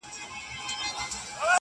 چي در معلوم شي د درمن زړګي حالونه؛